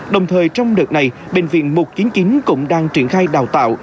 đồng thời trong đợt này bệnh viện một trăm chín mươi chín cũng đang triển khai đào tạo